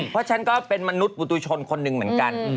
เพราะฉันก็เป็นมนุษย์ปุตุชนคนหนึ่งเหมือนกัน